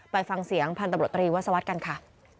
ไปฟังเสียงพันธบรตรีวัศวรรษกันค่ะ